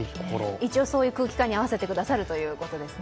一応そういう空気感に合わせてくださるということですね。